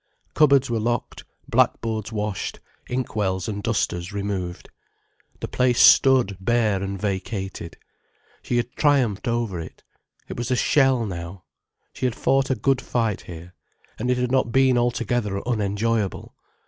Cupboards were locked, blackboards washed, inkwells and dusters removed. The place stood bare and vacated. She had triumphed over it. It was a shell now. She had fought a good fight here, and it had not been altogether unenjoyable.